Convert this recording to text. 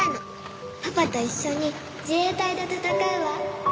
パパと一緒に自衛隊で戦うわ。